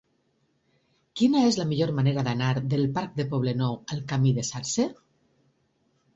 Quina és la millor manera d'anar del parc del Poblenou al camí del Salze?